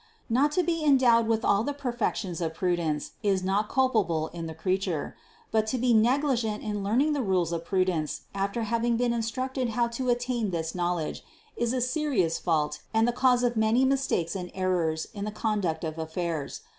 Not to be endowed with all the perfections of prudence, is not culpable in the creature; but to be negligent in learning the rules of prudence after having been instructed how to attain this knowledge, is a serious fault and the cause of many mis takes and errors in the conduct of affairs.